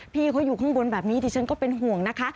พี่เขาอยู่ข้างบนแบบนี้ดิฉันก็เป็นห่วงนะคะ